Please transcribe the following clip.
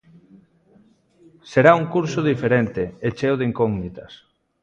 Será un curso diferente e cheo de incógnitas.